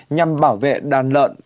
nhằm bảo vệ đàn lợn